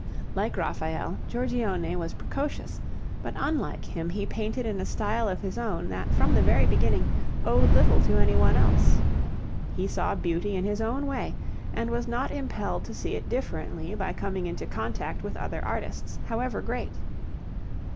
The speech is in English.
Like Raphael, Giorgione was precocious, but unlike him he painted in a style of his own that from the very beginning owed little to any one else. He saw beauty in his own way, and was not impelled to see it differently by coming into contact with other artists, however great.